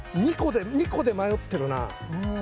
２個で迷ってるな。